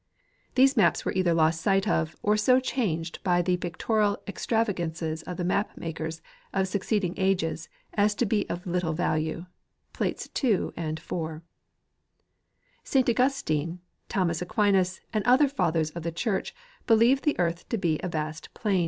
These maps were either entirely lost sight of or so changed by the pic torial extravagances of the map makers of succeeding ages as to be of little value (plates 2t and 4). St Augustine, Thomas Aquinas and other fathers of the church believed the earth to be a vast plain.